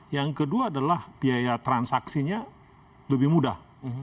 yang kedua adalah biaya transaksinya lebih mudah